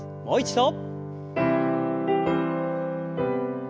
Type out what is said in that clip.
もう一度。